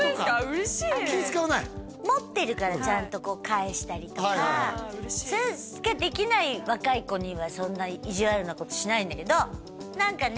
嬉しい持ってるからちゃんとこう返したりとかそれができない若い子にはそんな意地悪なことしないけど何かね